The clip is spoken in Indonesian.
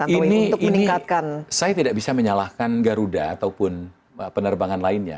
ini meningkatkan saya tidak bisa menyalahkan garuda ataupun penerbangan lainnya